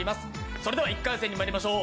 それでは１回戦にまいりましょう。